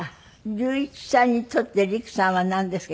龍一さんにとって璃来さんはなんですか？